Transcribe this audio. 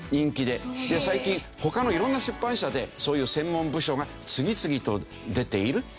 で最近他の色んな出版社でそういう専門部署が次々と出ているという事です。